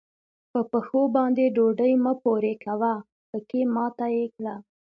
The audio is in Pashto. په پښو باندې ډوډۍ مه پورې کوه؛ پکې ماته يې کړه.